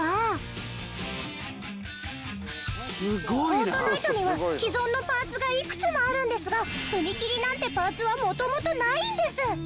『ＦＯＲＴＮＩＴＥ』には既存のパーツがいくつもあるんですが踏切なんてパーツは元々ないんです。